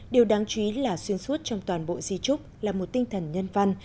điều đáng chú ý là xuyên suốt trong toàn bộ di trúc là một tinh thần nhân văn